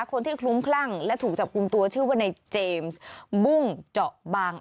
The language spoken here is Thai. คลุ้มคลั่งและถูกจับกลุ่มตัวชื่อว่าในเจมส์บุ้งเจาะบาง